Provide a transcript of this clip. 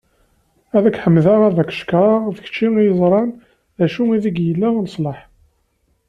Ad ak-ḥemmdeγ ad ak-cekkreγ d kečč i yeẓran d acu ideg yella leṣlaḥ.